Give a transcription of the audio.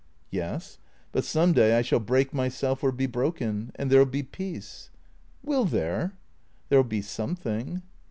" Yes. But some day I shall break myself, or be broken ; and there '11 be peace." " Will there !"" There '11 be something."